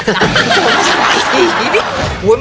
สุดขวาสี่บิ